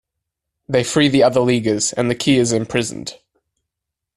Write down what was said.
They free the other Leaguers, and the Key is imprisoned.